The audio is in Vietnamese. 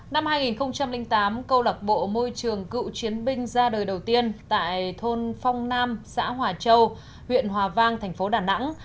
năm hai nghìn tám câu lạc bộ môi trường cựu chiến binh ra đời đầu tiên tại thôn phong nam xã hòa châu huyện hòa vang thành phố đà nẵng